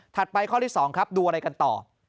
ไปข้อที่๒ครับดูอะไรกันต่อ